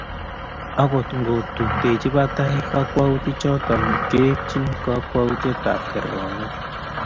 Angot ko tuptochi batai ng'atutichotok keipchi kokwoutiikab kerkong'.